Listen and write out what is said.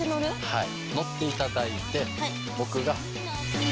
はい。